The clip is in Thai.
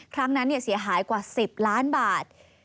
ครั้งนั้นเสียหายกว่า๑๐ล้านบาท